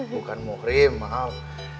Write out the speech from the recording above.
bukan muhrim maaf